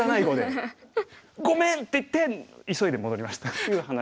「ごめん！」って言って急いで戻りましたっていう話。